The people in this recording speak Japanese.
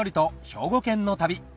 兵庫県の旅